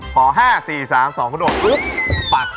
๕๔๓๒เขาโดดปัด